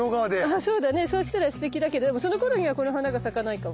あそうだね。そうしたらすてきだけどでもそのころにはこの花が咲かないかも。